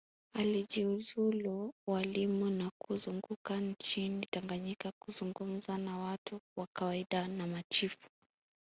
Alijiuzulu ualimu na kuzunguka nchini Tanganyika kuzungumza na watu wa kawaida na machifu